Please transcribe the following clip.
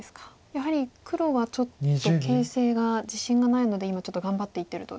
やはり黒はちょっと形勢が自信がないので今ちょっと頑張っていってると。